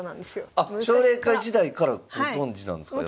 あっ奨励会時代からご存じなんですか？